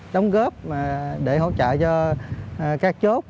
đóng góp để hỗ trợ cho các chốt